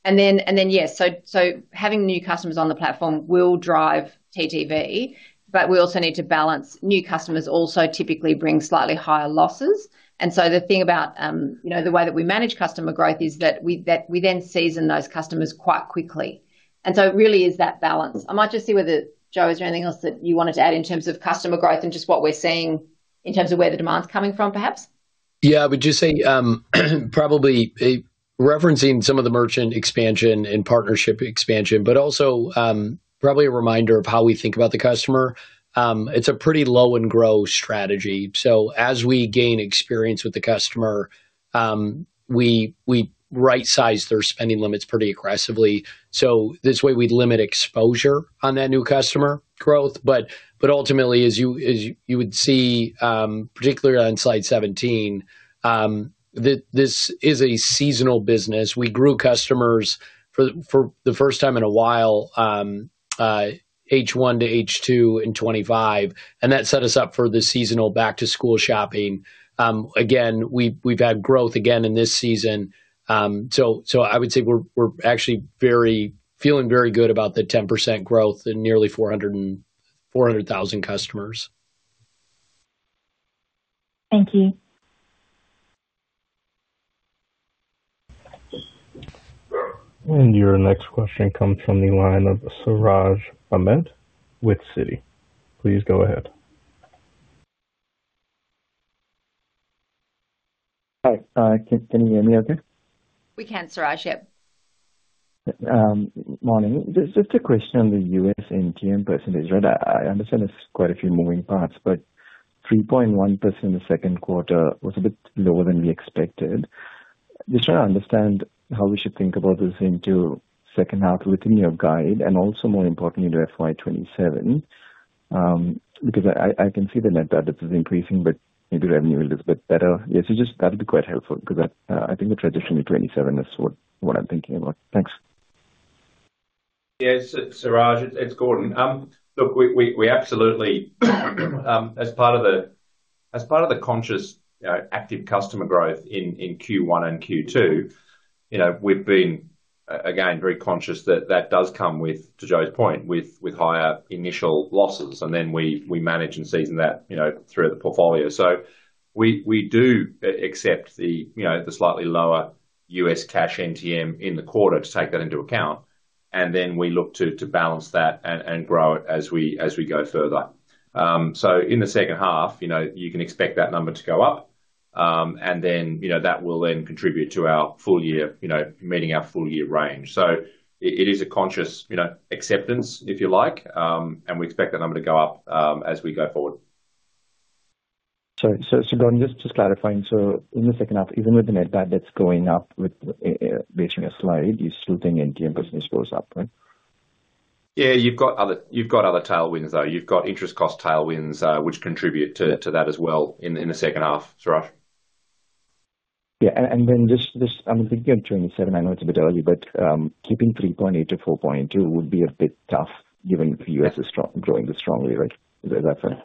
C: And then, yes, so having new customers on the platform will drive TTV, but we also need to balance new customers also typically bring slightly higher losses. And so the thing about, you know, the way that we manage customer growth is that we then season those customers quite quickly. And so it really is that balance. I might just see whether... Joe, is there anything else that you wanted to add in terms of customer growth and just what we're seeing in terms of where the demand is coming from, perhaps?
D: Yeah, I would just say, probably, referencing some of the merchant expansion and partnership expansion, but also, probably a reminder of how we think about the customer. It's a pretty low and grow strategy. So as we gain experience with the customer, we, we right-size their spending limits pretty aggressively, so this way we limit exposure on that new customer growth. But, but ultimately, as you, as you, you would see, particularly on slide 17, this is a seasonal business. We grew customers for, for the first time in a while, H1 to H2 in 2025, and that set us up for the seasonal back to school shopping. Again, we've, we've had growth again in this season. So, I would say we're actually feeling very good about the 10% growth in nearly 400,000 customers.
I: Thank you.
A: Your next question comes from the line of Siraj Ahmed with Citi. Please go ahead.
J: Hi, can you hear me okay?
C: We can, Siraj. Yep.
J: Morning. Just, just a question on the U.S. NTM percentage. Right, I understand it's quite a few moving parts, but 3.1% in the second quarter was a bit lower than we expected. Just trying to understand how we should think about this into second half within your guide and also more importantly, the FY 2027. Because I can see the net debt is increasing, but maybe revenue is a little bit better. Yes, so just that'd be quite helpful because I think the transition to 2027 is what I'm thinking about. Thanks.
E: Yeah, Siraj, it's Gordon. Look, we absolutely, as part of the conscious active customer growth in Q1 and Q2, you know, we've been again very conscious that that does come with, to Joe's point, with higher initial losses, and then we manage and season that, you know, through the portfolio. So we do accept the, you know, the slightly lower U.S. Cash NTM in the quarter to take that into account, and then we look to balance that and grow it as we go further. So in the second half, you know, you can expect that number to go up, and then, you know, that will then contribute to our full year, you know, meeting our full-year range. It is a conscious, you know, acceptance, if you like, and we expect that number to go up as we go forward.
J: So, Gordon, just clarifying. In the second half, even with the net bad debt that's going up with basically a slide, you still think NTM business goes up, right?
E: Yeah, you've got other, you've got other tailwinds, though. You've got interest cost tailwinds, which contribute to that as well in the second half, Siraj.
J: Yeah, and then just on the beginning of 2027, I know it's a bit early, but keeping 3.8%-4.2% would be a bit tough given the U.S. is growing this strongly, right? Is that fair?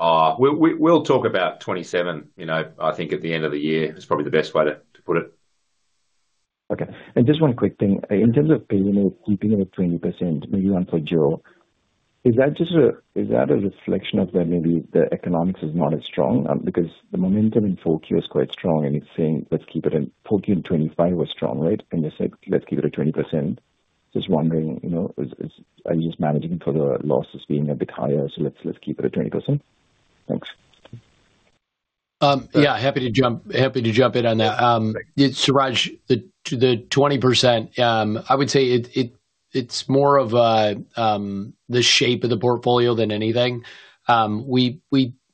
E: We'll talk about 2027, you know, I think at the end of the year is probably the best way to put it....
J: Okay, and just one quick thing. In terms of pay, you know, keeping it at 20%, maybe one for Joe, is that just a reflection of that maybe the economics is not as strong? Because the momentum in 4Q is quite strong, and it's saying, let's keep it in 4Q and 2025 was strong, right? And they said, "Let's keep it at 20%." Just wondering, you know, are you just managing for the losses being a bit higher, so let's keep it at 20%? Thanks.
D: Yeah, happy to jump, happy to jump in on that. Yeah, Siraj, the 20%, I would say it's more of a the shape of the portfolio than anything. We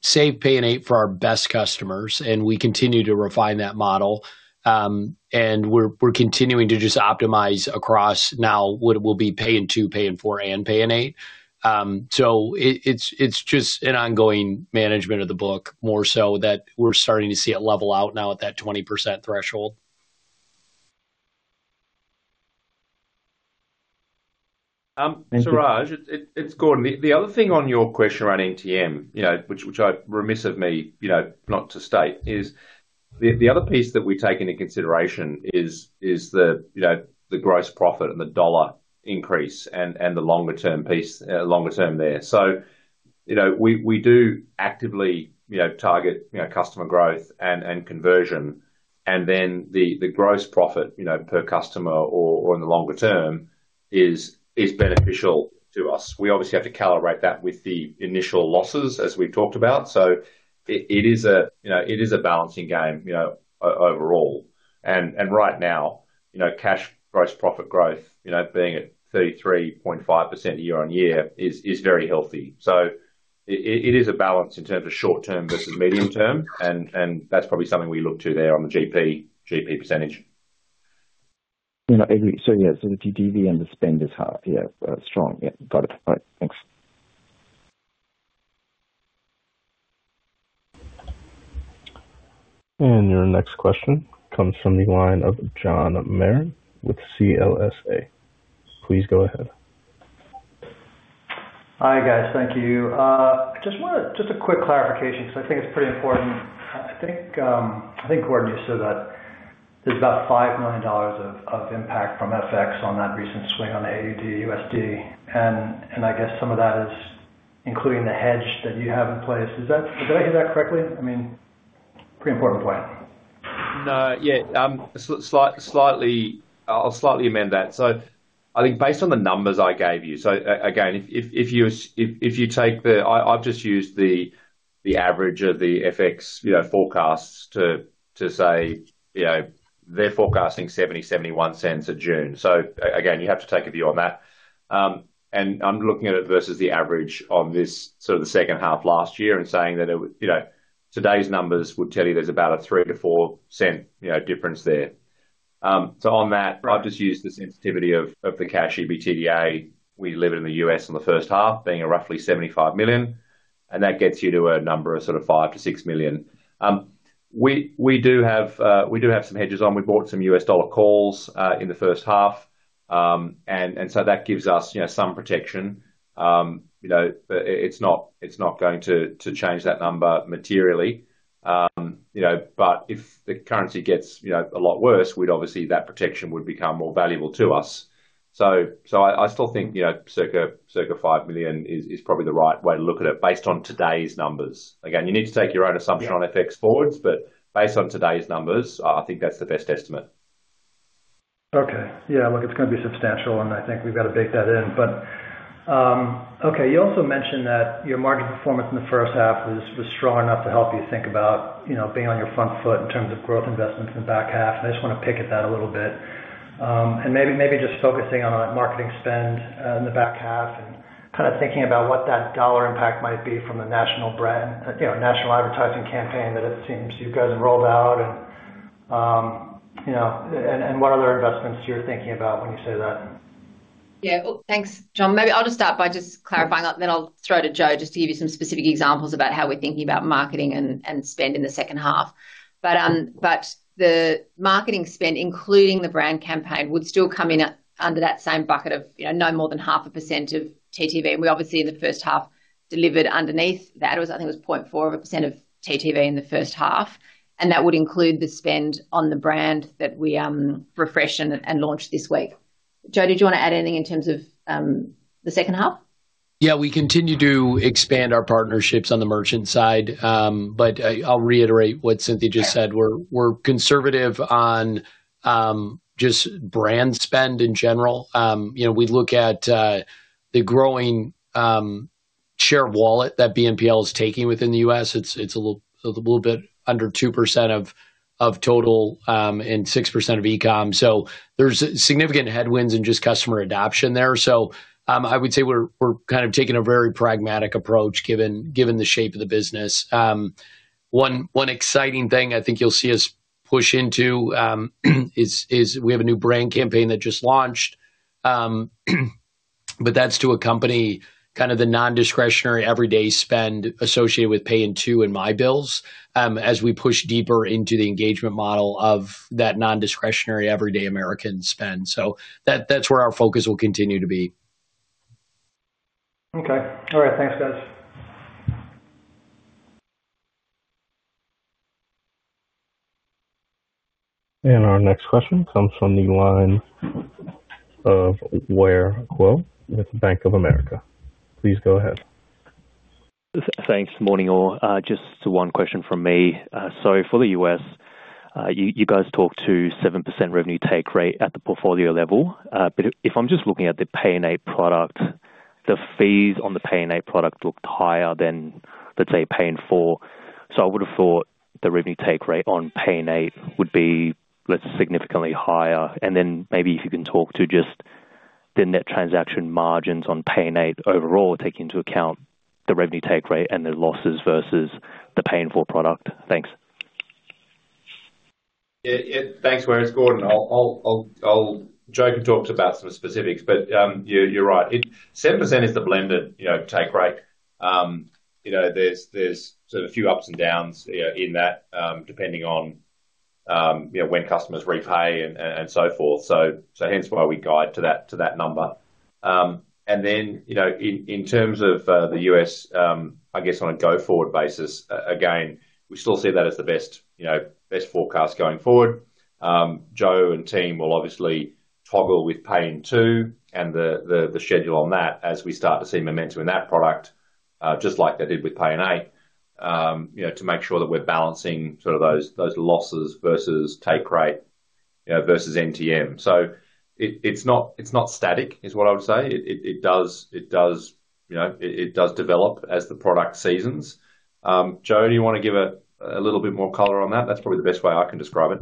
D: save Pay in 8 for our best customers, and we continue to refine that model. And we're continuing to just optimize across now what will be Pay in 2, Pay in 4, and Pay in 8. So it's just an ongoing management of the book, more so that we're starting to see it level out now at that 20% threshold.
J: Thank you.
E: Siraj, it's Gordon. The other thing on your question around NTM, you know, which I, remiss of me, you know, not to state, is the other piece that we take into consideration is the, you know, the gross profit and the dollar increase and the longer term piece, longer term there. So, you know, we do actively, you know, target, you know, customer growth and conversion. And then the gross profit, you know, per customer or in the longer term, is beneficial to us. We obviously have to calibrate that with the initial losses, as we've talked about. So it is a, you know, it is a balancing game, you know, overall. Right now, you know, cash gross profit growth, you know, being at 33.5% year-on-year is very healthy. So it is a balance in terms of short term versus medium term, and that's probably something we look to there on the GP percentage.
J: You know, so yeah, so the GDV and the spend is hard. Yeah, strong. Yeah, got it. All right, thanks.
A: Your next question comes from the line of John Merrin with CLSA. Please go ahead.
K: Hi, guys. Thank you. I just wanted... Just a quick clarification, because I think it's pretty important. I think, I think, Gordon, you said that there's about AUD 5 million of impact from FX on that recent swing on the AUD/USD, and I guess some of that is including the hedge that you have in place. Is that, did I hear that correctly? I mean, pretty important point.
E: No. Yeah, slightly, I'll slightly amend that. So I think based on the numbers I gave you, so again, if you take the... I've just used the average of the FX, you know, forecasts to say, you know, they're forecasting 0.71 at June. So again, you have to take a view on that. And I'm looking at it versus the average on this sort of the second half last year and saying that it, you know, today's numbers would tell you there's about a 0.03-0.04, you know, difference there. So on that, I've just used the sensitivity of the cash EBITDA. We delivered in the U.S. in the first half, being roughly 75 million, and that gets you to a number of sort of 5 million-6 million. We do have some hedges on. We bought some U.S. dollar calls in the first half. And so that gives us, you know, some protection. You know, but it's not going to change that number materially. You know, but if the currency gets, you know, a lot worse, we'd obviously, that protection would become more valuable to us. So I still think, you know, circa 5 million is probably the right way to look at it based on today's numbers. Again, you need to take your own assumption on FX forwards, but based on today's numbers, I think that's the best estimate.
K: Okay. Yeah, look, it's gonna be substantial, and I think we've got to bake that in. But okay, you also mentioned that your market performance in the first half was strong enough to help you think about, you know, being on your front foot in terms of growth investments in the back half. And I just want to pick at that a little bit. And maybe just focusing on marketing spend in the back half and kind of thinking about what that dollar impact might be from a national brand, you know, national advertising campaign that it seems you guys have rolled out and, you know, and what other investments you're thinking about when you say that?
C: Yeah. Well, thanks, John. Maybe I'll just start by just clarifying, and then I'll throw to Joe, just to give you some specific examples about how we're thinking about marketing and, and spend in the second half. But the marketing spend, including the brand campaign, would still come in at under that same bucket of, you know, no more than 0.5% of TTV. And we obviously in the first half delivered underneath that. It was, I think it was 0.4% of TTV in the first half, and that would include the spend on the brand that we refreshed and, and launched this week. Joe, did you want to add anything in terms of the second half?
D: Yeah, we continue to expand our partnerships on the merchant side. But I, I'll reiterate what Cynthia just said. We're, we're conservative on just brand spend in general. You know, we look at the growing share of wallet that BNPL is taking within the U.S. It's a little bit under 2% of total and 6% of e-commerce. So there's significant headwinds and just customer adoption there. So I would say we're kind of taking a very pragmatic approach, given the shape of the business. One exciting thing I think you'll see us push into is we have a new brand campaign that just launched. But that's to accompany kind of the non-discretionary everyday spend associated with Pay in 2 and My Bills, as we push deeper into the engagement model of that non-discretionary everyday American spend. So that, that's where our focus will continue to be.
K: Okay. All right. Thanks, guys.
A: Our next question comes from the line of Ware Kuo with Bank of America. Please go ahead.
L: Thanks. Morning, all. Just one question from me. So for the U.S., you guys talked to 7% revenue take rate at the portfolio level. But if I'm just looking at the Pay in 8 product, the fees on the Pay in 8 product looked higher than, let's say, Pay in 4. So I would have thought the revenue take rate on Pay in 8 would be, let's significantly higher. And then maybe if you can talk to just the net transaction margins on Pay in 8 overall, taking into account the revenue take rate and the losses versus the Pay in 4 product. Thanks.
E: Yeah, yeah. Thanks, Ware. It's Gordon. I'll... Joe can talk to about some specifics, but you're right. It's 7% is the blended, you know, take rate. You know, there's sort of a few ups and downs in that depending on, you know, when customers repay and so forth. So hence why we guide to that number. And then, you know, in terms of the U.S., I guess on a go-forward basis, again, we still see that as the best, you know, best forecast going forward. Joe and team will obviously toggle with Pay in 2 and the schedule on that as we start to see momentum in that product, just like they did with Pay in 8, you know, to make sure that we're balancing sort of those losses versus take rate, you know, versus NTM. So it's not static, is what I would say. It does develop as the product seasons, you know. Joe, do you want to give a little bit more color on that? That's probably the best way I can describe it.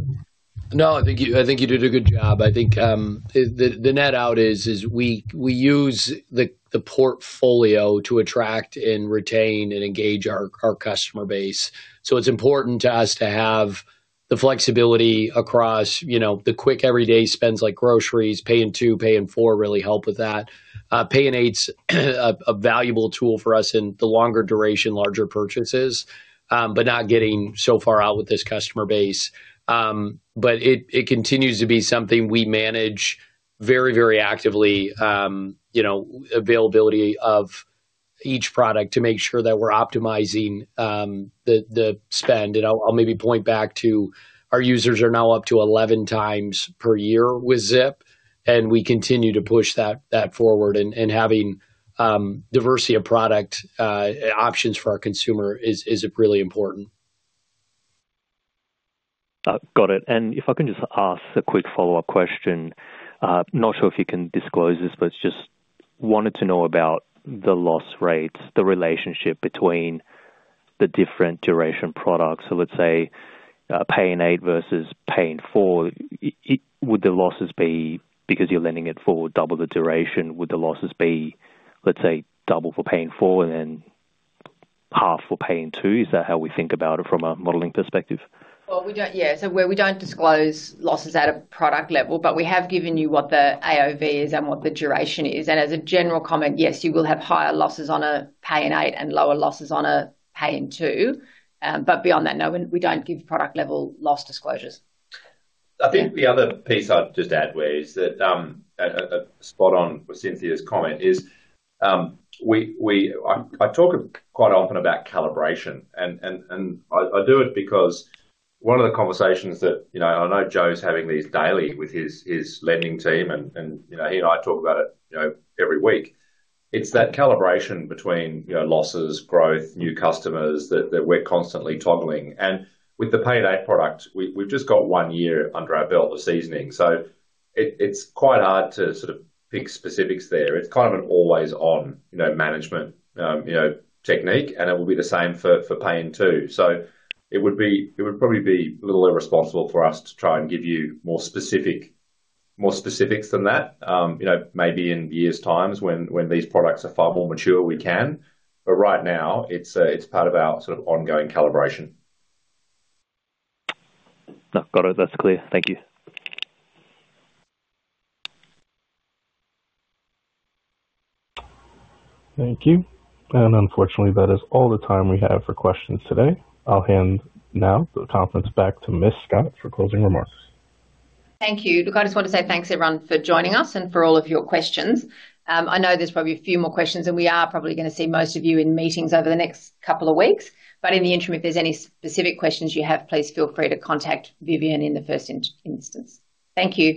D: No, I think you did a good job. I think the net out is we use the portfolio to attract and retain and engage our customer base. So it's important to us to have the flexibility across, you know, the quick everyday spends like groceries. Pay in 2, Pay in 4 really help with that. Pay in 8's a valuable tool for us in the longer duration, larger purchases, but not getting so far out with this customer base. But it continues to be something we manage very, very actively, you know, availability of each product to make sure that we're optimizing the spend. And I'll maybe point back to our users are now up to 11 times per year with Zip, and we continue to push that forward. Having diversity of product options for our consumer is really important.
L: Got it. If I can just ask a quick follow-up question. Not sure if you can disclose this, but just wanted to know about the loss rates, the relationship between the different duration products. Let's say, Pay in 8 versus Pay in 4. Would the losses be because you're lending it for double the duration, would the losses be, let's say, double for Pay in 4 and then half for Pay in 2? Is that how we think about it from a modeling perspective?
C: Well, we don't... Yeah. So, we don't disclose losses at a product level, but we have given you what the AOV is and what the duration is. And as a general comment, yes, you will have higher losses on a Pay in 8 and lower losses on a Pay in 2. But beyond that, no, we don't give product-level loss disclosures.
E: I think the other piece I'd just add, Ware, is that spot on for Cynthia's comment is we—I talk quite often about calibration, and I do it because one of the conversations that, you know, I know Joe's having these daily with his lending team, and you know, he and I talk about it, you know, every week. It's that calibration between, you know, losses, growth, new customers, that we're constantly toggling. And with the Pay in 8 product, we've just got one year under our belt of seasoning, so it's quite hard to sort of pick specifics there. It's kind of an always on, you know, management technique, and it will be the same for Pay in 2. So it would probably be a little irresponsible for us to try and give you more specific, more specifics than that. You know, maybe in years' times when these products are far more mature, we can, but right now, it's, it's part of our sort of ongoing calibration.
L: Got it. That's clear. Thank you.
A: Thank you. Unfortunately, that is all the time we have for questions today. I'll hand now the conference back to Ms. Scott for closing remarks.
C: Thank you. Look, I just want to say thanks, everyone, for joining us and for all of your questions. I know there's probably a few more questions, and we are probably gonna see most of you in meetings over the next couple of weeks, but in the interim, if there's any specific questions you have, please feel free to contact Vivienne in the first instance. Thank you.